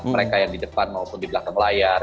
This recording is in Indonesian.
mereka yang di depan maupun di belakang layar